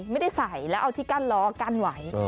ไม่ได้ใส่แล้วเอาที่กั้นล้อกั้นไว้